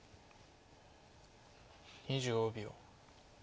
２５秒。